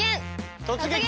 「突撃！